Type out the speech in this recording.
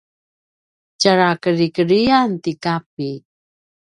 tjalja kedrikedriyan ti Kapi